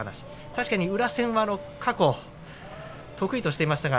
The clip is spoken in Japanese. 確かに宇良戦は過去、得意としていましたが